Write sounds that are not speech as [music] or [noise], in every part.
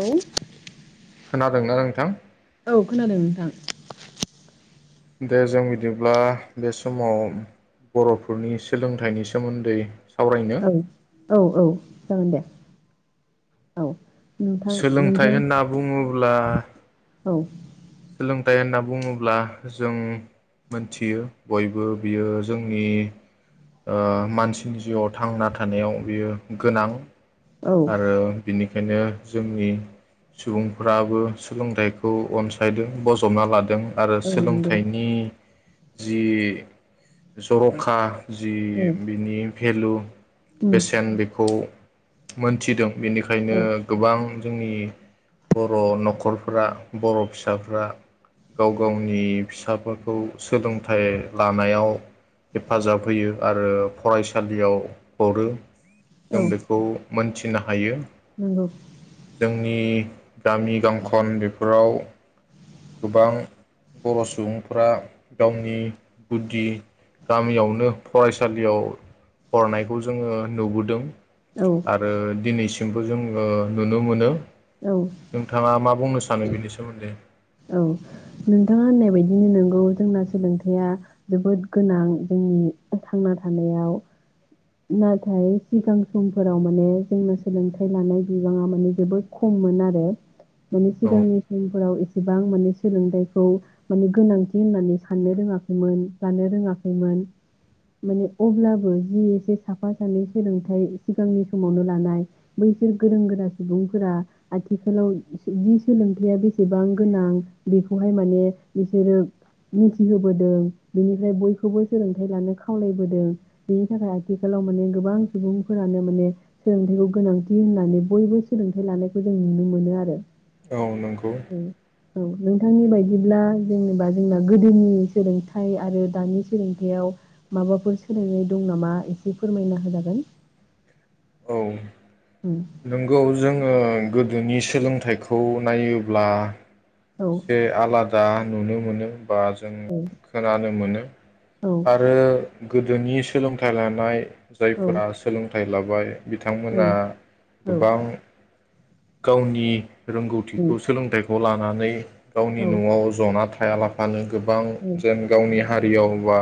औ खोनादोंना नोंथां औ खोनादों नोंथां दे जों बिदिब्ला बे समाव बर'फोरनि सोलोंथाइनि सोमोन्दै सावरायनो औ- औ -औ जागोन दे औ नोंथां सोलोंथाइ नोंथां होनना बुङो ब्ला औ सोलोंथाइ होनना बुङोब्ला जों मोनथियो बयबो बियो जोंनि मानसिनि जिउआव थांना थानायाव बियो गोनां औ आरो बिनि बेनो जोंनि सुबुंफ्राबो सोलोंथाइखौ अनसायग्रा यदों बजबना लादों आरो औ नंगौ सोलोंथाइनि जि जर'खा जि औ बिनि भेलु उम बेसेन बेखौ मोनथिदों बेनिखायनो औ गोबां जोंनि बर' न'खरफोरा बर' फिसा फिसाफ्रा गाव - गावनि फिसाफोरखौ सोलोंथाइ लानायाव हेफाजाब होयो आरो फरायसालियाव हरो जों औ बेखौ मोनथि थिनो हायो नंगौ जोंनि गामि गांखन बेफोराव गोबां बर' सुबुंफोरा गावनि गुदि गामियावनो फरायसालियाव हरनायखौ जोङो नुबोदों औ आरो दिनैसिम [unintelligible] जोंङो नुनो मोनो औ नोंथाङा मा बुंनो सानो बेनि सोमोन्दै औ नोंथाङा होननाय बायदिनो नंगौ जोंना सोलोंथायाइया जोबोद गोनां जोंनि थांना थानायाव नाथाय सिगां समफोराव माने जोंनो सोलोंथाइ लानाय बिबाङा माने जोबोद खममोन आरो माने औ सिगांनि समफोराव एसे एसेबां माने सोलोंथाइखौ माने गोनांथि होननानै साननो रोङाखैमोन लानो रोङाखैमोन माने अब्लाबो जि मोनसे साफा सानै सोलोंथाइ सिगांनि समावनो लानाय बैसोर गोरों गोरा सुबुंफोरा आथिखालाव जि सोलोंथाइया बेसेबां गोनां बेखौहाय माने बिसोरो मिथिहोबोदों बेनिफ्राय बयखौबो सोलोंथाइ लानो खावलायबोदों बेनि थाखाय आथिखालाव माने गोबां सुबुंफोरानो माने सोलोंथाइखौ गोनांथि होननानै बयबो सोलोंथाइ लानायखौ जों नुनो मोनो आरो। औ नंगौ। औ औ नोंथांनि बायदिब्ला जेनेबा जोंना गोदोनि सोलोंथाइ आरो दानि सोलोंथाययाव माबाफोर सोलायनाय दं नामा एसे बे फोरमायना होजागोन औ उम नंगौ जोङो गोदोनि सोलोंथाइखौ नायोब्ला औ एसे आलादा नुनो मोनो। बा जों औ खोनानो मोनो औ आरो गोदोनि सोलोंथाइ लानाय औ जायफोरा सोलोंथाइ लाबो मबाइल [unintelligible] बिथांमोना गोबां गावनि उम रोंगौथिखौ सोलोंथाइखौ खौ लानानै गावनि औ न'आव जना था हायालाफानो गोबां जेन गावनि हारियाव बा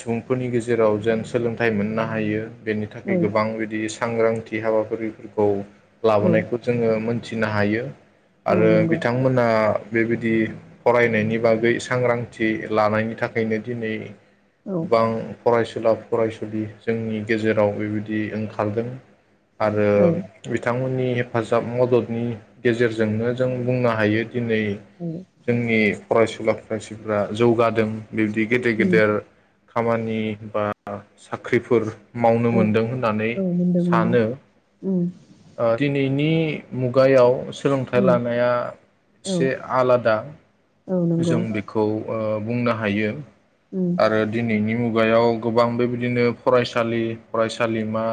सुबुंफोरनि गेजेराव जेन सोलोंथाइ मोननो हायो। बेनि थाखाय औ गोबां बिदि सांग्रांथि हाबाफारिफोरखौ औ लाबोनायखौ जोङो मोन मोनथिनो हायो औ आरो नंगौ बिथांमोना बेबायदि फरायनायनि बागै सांग्रांथि लानायनि थाखायनो दिनै औ गोबां फरायसुला फरायसुलि जोंनि गेजेराव बेबायदि ओंखारदों आरो औ औ बिथांमोन नि हेफाजाब मददनि गेजेरजोंनो जों बुंनो हायो दिनै उम जोंनि फरायसुला मानसिफ्रा जौगादों बिबदि गेदेर-गेदेर खामानि बा आ साख्रिफोर मावनो औ मोनदों होननानै मोनदों मोनदों सानो उम ओ दिनैनि मुगायाव सोलोंथाइ उम लानाया औ एसे आलादा औ नंगौ जों बेखौ ओ बुंनो हायो उम आरो दिनैनि मु गुवायाव गोबां बेबायदिनो फरायसालि फरायसालिमा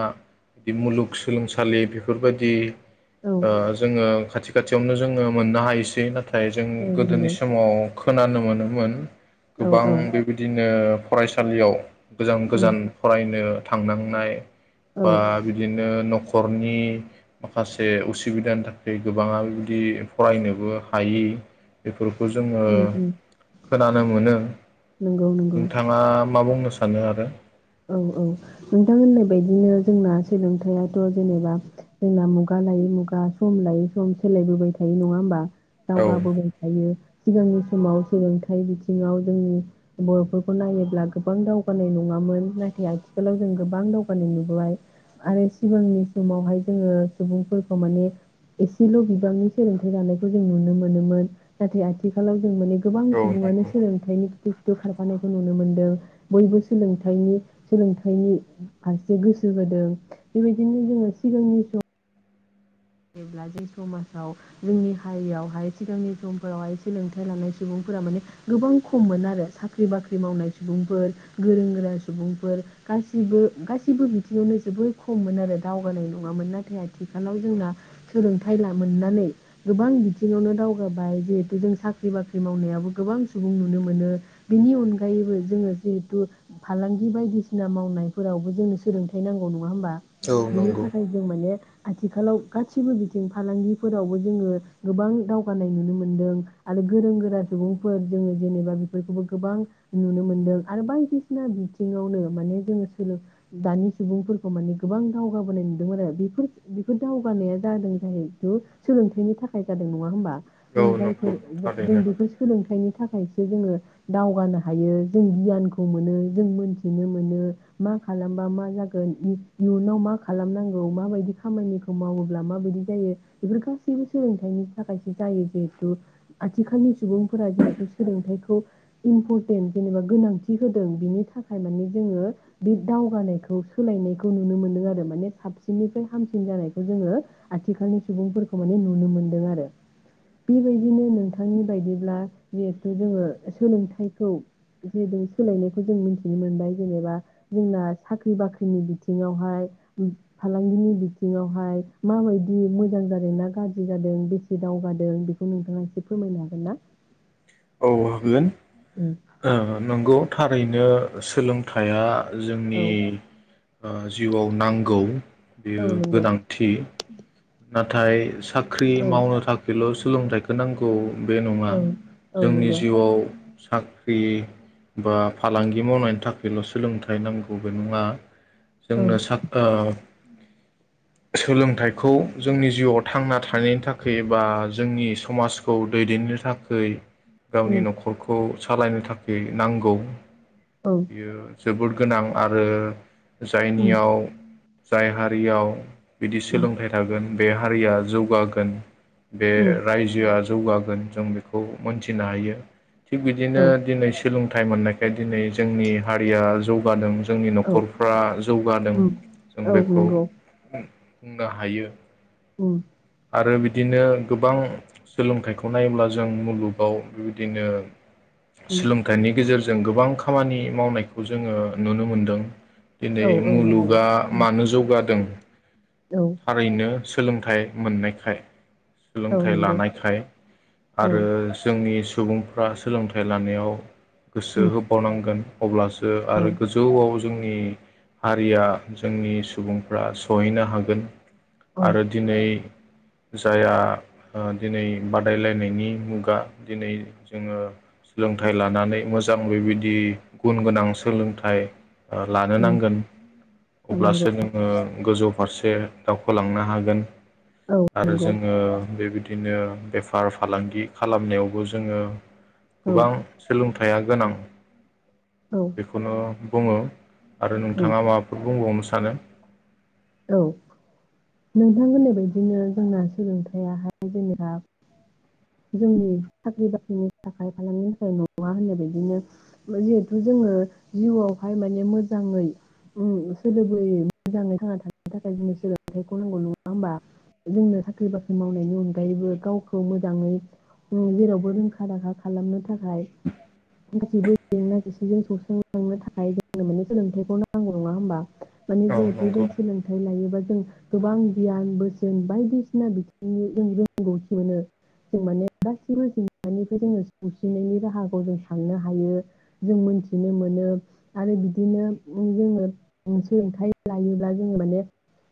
बिदि मुलुगसोलोंसालि बेफोरबायदि औ ओ जोङो खाथि खाथियावनो जोङो मोननो हायो सै ना थाय जों औ गोदोनि नंगौ समाव खोनानो मोनोमोन औ गोबां औ बेबायदिनो फरायसालियाव उम गोजान-गोजान फरायनो थांनांनाय औ बा उम बिदिनो न' खरनि माखासे उसुबिदानि थाखाय गोबाङा बिबदि फरायनोबो हायि बेफोरखौ जोङो उम खोनानो मोनो नंगौ नंगौ नोंथाङा मा बुंनो सानो आरो औ औ नोंथां होननाय बायदिनो जोंना सोलोंथायाथ' जेनेबा जोंना मुगा लायै मुगा सम लायै सम सोलायबोबाय थायो नङा होमबा औ दावगाबोबाय थायो सिगांनि समाव सोलोंथाइ बिथिङाव जोंनि बर'फोरखौ नायोब्ला गोबां दावगानाय नङामोन नाथाय आथिखालाव जों गोबां दावगानाय नुबोबाय आरो सिगांनि समावहाय जोङो सुबुंफोरखौ माने एसेल' बिबांनि सोलोंथाइ लानायखौ जों नुनो मोनोमोन नाथाय आथिखालाव जों माने गोबां औ सुबुङानो नंगौ सोलोंथाइनि गु बो खारफानायखौ नुनो मोन्दों बयबो सोलोंथाइनि सोलोंथाइनि फारसे गोसो होदों बेबायदिनो जोङो सिगांनि सम जेब्ला जे समाजाव जोंनि हारियावहाय सिगांनि समफोरावहाय सोलोंथाइ लानाय सुबुंफोरा माने गोबां खममोन आरो साख्रि बाख्रि मावनाय सुबुंफोर गोरों गोरा सुबुंफोर गासैबो गासैबो बिथिङावनो जोबोर खममोन आरो दावगानाय नङामोन नाथाय आथिखालाव जोंना सोलोंथाइ लामोननानै गोबां बिथिङावनो दावगाबाय जिहेथु जों साख्रि बाख्रि मावनायाबो गोबां सुबुं नुनो मोनो बेनि अनगायैबो जोङो जिहेथु फालांगि बायदिसिना मावनायफोरावबो जोंनो सोलोंथाइ नांगौ नङा होमबा औ बिनि नंगौ थाखाय जों माने आथिखालाव गासिबो बिथिं फालांगिफोरावबो जोङो गोबां दावगानाय नुनो मोनदों आरो गोरों गोरा सुबुंफोर जोङो जेनेबा बेफोरखौबो गोबां नुनो मोनदों आरो बायदिसिना बिथिङावनो माने जोङो सोलों दानि सुबुंफोरखौ माने गोबां दावगाबोनाय नुदोंमोन आरो बेफोर बेफोर दाव गानाया जादों जाहैथु सोलोंथाइनि थाखाय जादों नङा होमबा औ जों नंगौ जायफोर जों थारैनो बेखौ सोलोंथाइनि थाखायसो जोङो दावगानो हायो जों गियानखौ मोनो जों मोनथिनो मोनो मा खालामबा मा जागोन इयुनाव मा खालामनांगौ माबायदि खामानिखौ मावोब्ला माबायदि जायो बेफोर गासैबो सोलोंथाइनि थाखायसो जायो जिहेथु आथिखालनि सुबुंफोरा जिहेथु सोलोंथाइखौ इम्परटेन्ट जेनेबा गोनांथि होदों बेनि थाखाय माने जोङो बे दावगानायखौ सोलायनायखौ नुनो मोनदों आरो माने साबसिननिफ्राय हामसिन जानाय जोङो आथिखालनि सुबुंफोरखौ माने नुनो मोनदों आरो बेबायदिनो नोंथांनि बायदिब्ला जिहेथु जोङो सोलोंथाइखौ जेबो सोलायनायखौ जों मिथिनो मोनबाय जेनेबा जोंना साख्रि बाख्रिनि बिथिङावहाय फालांगिनि बिथिङाव बेहाय माबायदि मोजां जादोंना गाज्रि जादों बेसे दावगादों बेखौ नोंथाङा एसे फोरमायनो हागोन ना। औ हागोन। उम ओ नंगौ थारैनो सोलोंथाइया औ जोंनि ओ जिउआव नांगौ बेयो औ नंगौ गोनांथि नाथाय साख्रि औ मावनो थाखायल' सोलोंथाइखौ नांगौ बे नङा औ औ जोंनि नंगौ जिउआव सा बे बा फालांगि मावनायनि थाखायल' सोलोंथाइ नांगौ बे नङा औ जोंनो सा ओ सोलोंथाइखौ जोंनि जिउआव थांना थानायनि थाखाय बा जोंनि समाजखौ दैदेननो थाखै गावनि न'खरखौ सालायनो थाखाय नांगौ। औ बेयो जोबोद गोनां आरो उम जायनियाव जायहा बियाव बिदि उम सोलोंथाइ थागोन बे हारिया जौगागोन बे उम रायजोआ जौगागोन गोन जों बेखौ मोनथिनो हायो। थिक औ बिदिनो दिनै सोलों थाय मोननायखाय दिनै जोंनि हारिया जौगादों। जोंनि न'खरफ्रा जौगादों उम जों औ बेखौ नंगौ बुंनो हायो। उम। आरो बिदिनो गोबां सोलोंथाइखौ नायोब्ला जों मुलुगाव बेबायदिनो उम सोलोंथाइनि गेजेरजों गोबां खामानि मावनायखौ जोङो नुनो मोनदों। दिनै औ औ नंगौ मुलुगा उम मानो जौगादों औ थारैनो। सोलोंथाइ मोननायखाय औ सोलोंथाइ नंगौ लानायखाय औ आरो उम जोंनि सुबुंफ्रा सोलोंथाइ लानायाव गोसो होबावनांगोन। अब्लासो ओ औ आरो गोजौआव जोंनि हारिया जोंनि सुबुंफ्रा सहैनो हागोन। औ आरो दिनै जायआ ओ दिनै बादायलायनायनि मुगा दिनै जोङो सोलोंथाइ लानानै मोजां बेबायदि गुन गोनां सोलोंथाइ ओ लानो उम नांगोन औ नंगौ अब्लासो नोङो गोजौ फारसे दावखोलांनो हागोन। औ आरो नंगौ जोङो बेबायदि बिदिनो बेफार फालांगि खालामनायावबो जोङो औ गोबां सोलोंथाइ थाइआ गोनां। बेखौनो बुङो। आरो उम नोंथाङा माबाफोर बुंबावनो सानो औ नोंथां होननाय बायदिनो जोंना सोलोंथाया हाय जेनेबा जोंनि साख्रि बाख्रिनि थाखाय फालांगिनि थाखाय नङा होननाय बायदिनो जिहेथु जोङो जिउआवहाय माने मोजाङै ओ सोलोबोयै मोजाङै थांना थानो थाखाय जोंनो सोलोंथाइखौ नांगौ नङा होमबा? जोंनो साख्रि बाख्रि मावनायनि अनगायैबो गावखौ मोजाङै जेरावबो रोंखा राखा खालामनो थाखाय गासिबो जेंना जेंसिजों सौस्रांनो थाखाय जोंनो माने सोलोंथाइखौ नांगौ नङा होमबा माने औ जिहेथु जों नंगौ सोलोंथाइ लायोबा जों गोबां गियान बोसोन बायदिसिना बिथिंनि जों रोंगौथि मोनो जों माने गासिबो जेंनानिफ्राय जोङो सौसिनायनि राहाखौ जों थांनो हायो जों मोनथिनो मोनो आरो बिदिनो जोङो सोलोंथाइ लायो बा जोङो माने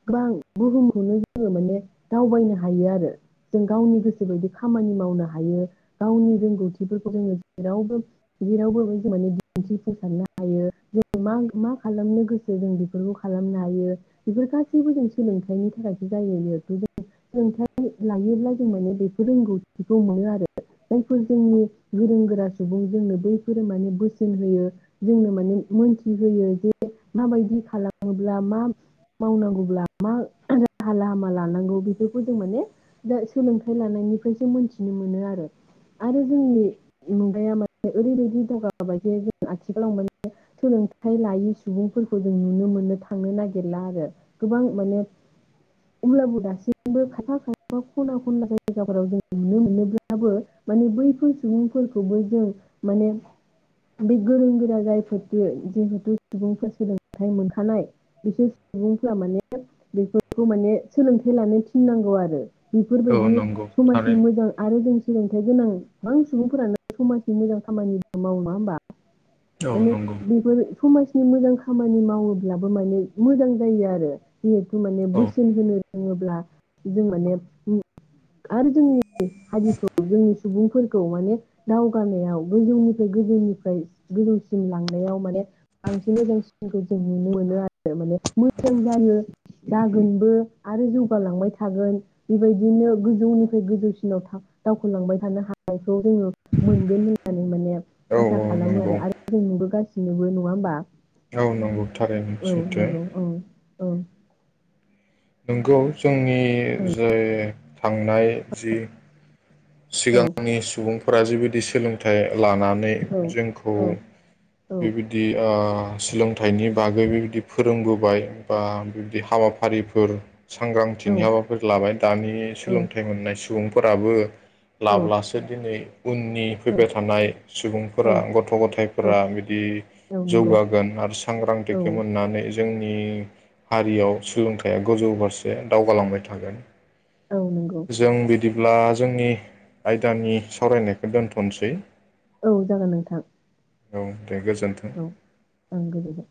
गोबां बुहुमखौनो जोङो माने दावबायनो हायो आरो जों गावनि गोसो बायदि खामानि मावनो हायो गावनि रोंगौथिफोरखौ जोङो जेरावबो जेरावबो माने दिन्थिफुंसारनो हायो जों मा मा खालामनो गोसो जों बेफोरखौ खालामनो हायो बेफोर गासैबो जों सोलोंथाइनि थाखायसो जायोेथु जों सोलोंथाइ लायोब्ला जों माने बेफोर रोंगौथिखौ मोनो आरो जायफोर जोंनि गोरों गोरा सुबुं जोंनो बैफोरो माने बोसोन होयो जोंनो माने मोनथि होयो जे माबायदि खालामो ब्रा मा मावनांगौब्ला मा राहा लामा लानांगौ बेफोरखौ जों माने दा सोलोंथाइ लानायनिफ्रायसो मोन्थिनो मोनो आरो आरो जोंनि मुगाया माने ओरैबायदि दावगाबोबाय जे जों आथिखालाव माने सोलोंथाइ लायै सुबुंफोरखौ जों नुनो मोनो था थांनो नागिरला आरो गोबां माने अब्लाबो दासिमबो खायफा खायफा खना खनला जायगाफोराव जों नुनो मोनोब्लाबो माने बैफोर सुबुंफोरखौबो जों माने बे गोरों गोरा जायफोर जिहेथु सुबुंफोर सोलोंथाइ मोनखानाय। बिसोर सुबुंफ्रा माने बेफोरखौ माने सोलोंथाइ लानो थिननांगौ आरो औ बेफोरबायदि नंगौ समाजनि थारैनो मोजां आरो जों सोलोंथाइ गोनां गोबां सुबुंफोरानो समाजनि मोजां खामानि मावो नङा होमबा? औ माने नंगौ बेफोर समाज नि मोजां खामानि मावोब्ला माने मोजां जायो आरो। जिहेथु माने औ बोसोन होनो रोङोब्ला जों माने आरो जोंनि हारिखौ जोंनि सुबुं फोरखौ माने दावगानायाव गोजौनिफ्राय गोजौनिफ्राय गोजौसिम लांनायाव माने बांसिन मोजांसिनखौ जों नुनो मोनो। आरो माने मोजां जायो जागोनबो आरो जौगालांबाय थागोन बेबायदिनो गोजौनिफ्राय गोजौसिनाव दावखलांबाय थानो हानायखौ जोङो मोनगोन होननानै माने औ आसा औ खालामो नंगौ आरो आरो जों नुबोगासिनो नोबो नङा होमबा औ नंगौ थारैनो औ बे सैथो नंगौ औ औ नंगौ जोंनि जे थांनाय जि औ सिगांनि सुबुं फोरा जिबायदि सोलोंथाइ लानानै औ औ जोंखौ औ बेबायदि ओ सोलोंथाइनि बागै बेबायदि फोरोंबोबाय बा बिब्दि हाबाफारिफोर औ सांग्रांथिनि हाबाफारि लाबाय दानि सोलोंथाइ मोननाय सुबुं फोराबो औ लाब्लासो दिनै उननि औ फैबाय थानाय सुबुंफोरा औ गथ' औ गथायफोरा बिदि औ नंगौ जौगागोन आरो औ सांग्रांथिखौ मोननानै जों नि हारियाव सोलोंथाइया गोजौ फारसे दावगालांबाय थागोन। औ नंगौ जों बिदि ब्ला जोंनि आयदानि सावरायनायखौ दोनथ'सै। औ जागोन नोंथां औ दे गोजोन्थों औ ओं गोजोनबाय